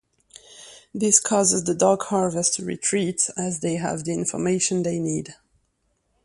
This causes the Dark Harvest to retreat as they have the information they need.